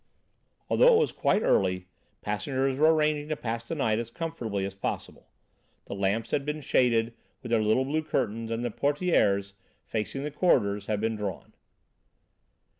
Although it was quite early, passengers were arranging to pass the night as comfortably as possible. The lamps had been shaded with their little blue curtains, and the portières, facing the corridors, had been drawn.